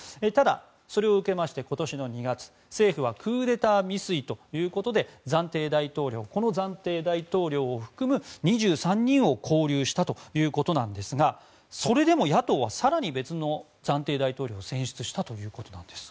それを受けて、今年の２月政府はクーデター未遂ということで暫定大統領を含む２３人を拘留したということなんですがそれでも野党は更に別の暫定大統領を選出したということです。